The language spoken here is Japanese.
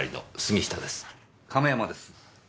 亀山です。